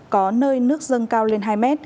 có nơi nước dâng cao lên hai m